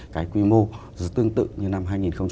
cái quy mô tương tự như năm hai nghìn một mươi năm